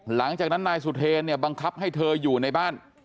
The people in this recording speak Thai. หลังจากนั้นนายสุเทรเนี่ยบังคับให้เธออยู่ในบ้าน